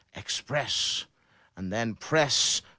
Express!' and then "Press!